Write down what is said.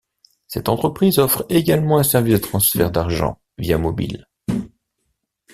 Cette entreprise offre également un service de transfert d'argent via mobile.